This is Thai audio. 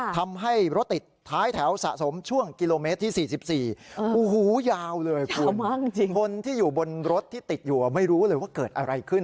ทำให้รถติดท้ายแถวสะสมช่วงกิโลเมตรที่๔๔โอ้โหยาวเลยคุณคนที่อยู่บนรถที่ติดอยู่ไม่รู้เลยว่าเกิดอะไรขึ้น